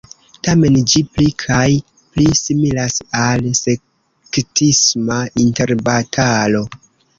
Tamen ĝi pli kaj pli similas al sektisma interbatalo.